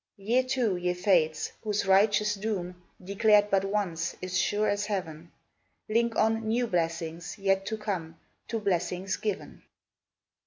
Ye too, ye Fates, whose righteous doom, Declared but once, is sure as heaven, Link on new blessings, yet to come, To blessings given!